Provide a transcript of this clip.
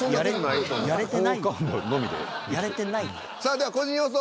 やれてないよ。